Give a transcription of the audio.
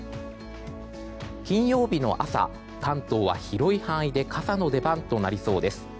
金曜日の朝、関東は広い範囲で傘の出番となりそうです。